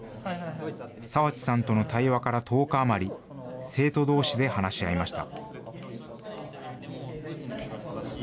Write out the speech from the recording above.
澤地さんとの対話から１０日余り、生徒どうしで話し合いました。